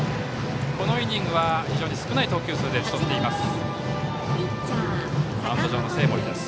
このイニングは非常に少ない投球数で打ち取っています